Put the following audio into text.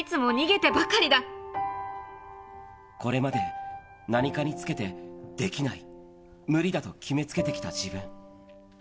これまで、何かにつけて、できない、無理だと決めつけてきた自分。